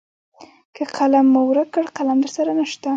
که قلم مو ورک کړ قلم درسره نشته .